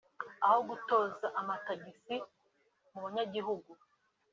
aho gutoza amatagisi mu banyagihugu